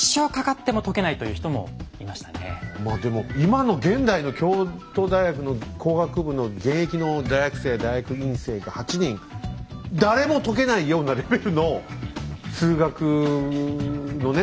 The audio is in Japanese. で中にはまあでも今の現代の京都大学の工学部の現役の大学生大学院生が８人誰も解けないようなレベルの数学のね